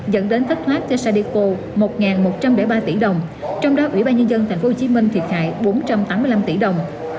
dẫn đến thất thoát cho sadipo một một trăm linh ba tỷ đồng trong đó ủy ban nhân dân tp hcm thiệt hại bốn trăm tám mươi năm tỷ đồng